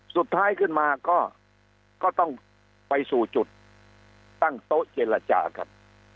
สุดท้ายขึ้นมาก็ต้องไปสู่จุดตั้งโต๊ะเจรจาครับ